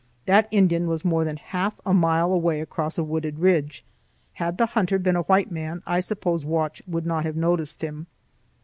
That Indian was more than half a mile away across a wooded ridge. Had the hunter been a white man, I suppose Watch would not have noticed him.